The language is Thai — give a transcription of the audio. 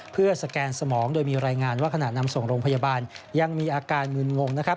เพื่อสแกนสมองโดยมีรายงานว่าขณะนำส่งโรงพยาบาลยังมีอาการมืนงงนะครับ